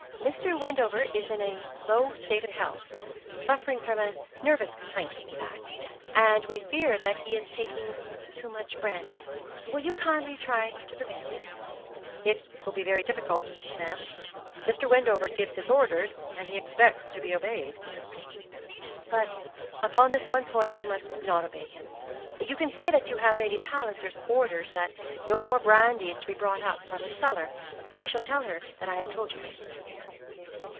'Mr. Wendover is in a low state of health suffering from a nervous complaint, in fact; and we fear that he is taking too much brandy. Will you kindly try to prevent it?' 'It will be very difficult, ma'am. Mr. Wendover gives his orders, and he expects to be obeyed.' 'But upon this one point you must not obey him. You can say that you have Lady Palliser's orders that no more brandy is to be brought up from the cellar. I shall tell her that I have told you this.'